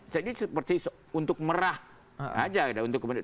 jadi ini seperti untuk merah aja